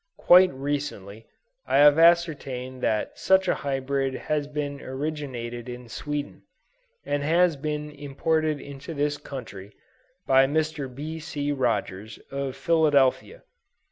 Quite recently I have ascertained that such a hybrid has been originated in Sweden, and has been imported into this country, by Mr. B. C. Rogers, of Philadelphia.